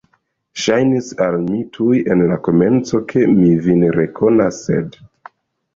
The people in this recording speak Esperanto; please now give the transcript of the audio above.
Ŝajnis al mi tuj en la komenco, ke mi vin rekonas, sed.